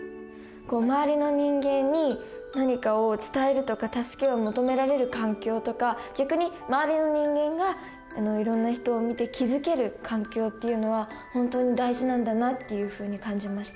周りの人間に何かを伝えるとか助けを求められる環境とか逆に周りの人間がいろんな人を見て気付ける環境っていうのは本当に大事なんだなっていうふうに感じました。